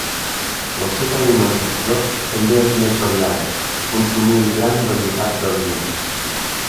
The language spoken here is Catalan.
La seva alimentació també és més variada, consumint gran varietat d'aliments.